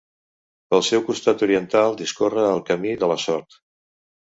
Pel seu costat oriental discorre el Camí de la Sort.